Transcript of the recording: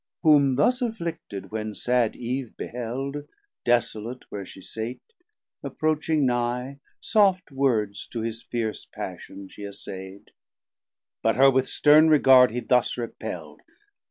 Whom thus afflicted when sad Eve beheld, Desolate where she sate, approaching nigh, Soft words to his fierce passion she assay'd: But her with stern regard he thus repell'd.